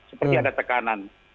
seperti ada tekanan